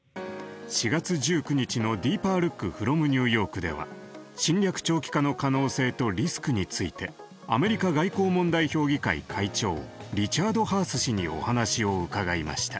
４月１９日の「ＤＥＥＰＥＲＬＯＯＫｆｒｏｍＮｅｗＹｏｒｋ」では侵略長期化の可能性とリスクについてアメリカ外交問題協議会会長リチャード・ハース氏にお話を伺いました。